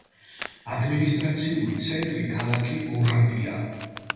ადმინისტრაციული ცენტრი ქალაქი ორადია.